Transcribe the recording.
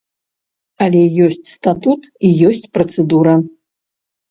Але ёсць статут і ёсць працэдура.